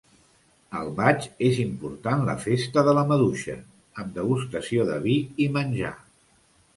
Al maig és important la Festa de la Maduixa, amb degustació de vi i menjar.